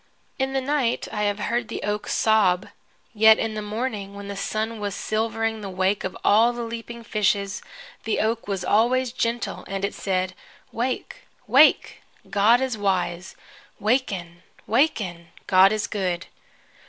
In the night I have heard the oak sob. Yet in the morning, when the sun was silvering the wake of all the leaping fishes, the oak was always gentle, and it said, "Wake, wake! God is wise. Waken, waken! God is good!"